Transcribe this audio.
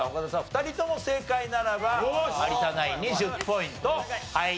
２人とも正解ならば有田ナインに１０ポイント入ります。